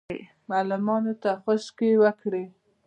معلمانو ته خشکې وکړې.